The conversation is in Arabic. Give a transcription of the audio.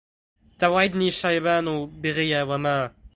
توعدني شيبان بغيا وما